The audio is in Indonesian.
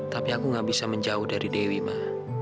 tapi aku gak bisa menjauh dari dewi mah